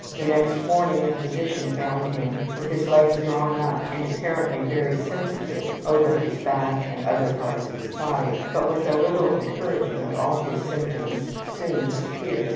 The next morning a physician found him with his legs drawn up and apparently very sensitive over his back and other parts of his body, but with a little encouragement all his symptoms soon disappeared.